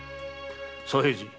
左平次